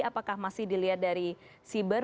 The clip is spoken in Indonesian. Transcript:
apakah masih dilihat dari siber